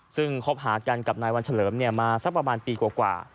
ซึ่งคบหากันกับนายวันเฉลิมมาสักประมาณปีกว่า